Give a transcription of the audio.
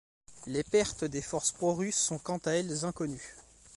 Les pertes des forces pro-russes sont quant à elles inconnues.